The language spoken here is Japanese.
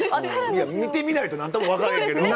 いや見てみないと何とも分からへんけど。